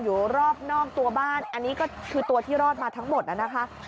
อยู่รอบนอกตัวบ้านอันนี้ก็คือตัวที่รอดมาทั้งหมดนะคะ